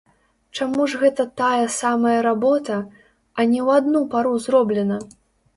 Чаму ж гэта тая самая работа, а не ў адну пару зроблена?